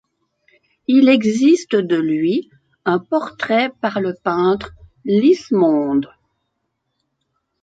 Il existe de lui un portrait par le peintre Lismonde.